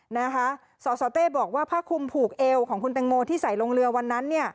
นะคะสสเต้บอกว่าผ้าคุมผูกเอวของคุณแตงโมที่ใส่ลงเรือวันนั้นเนี่ย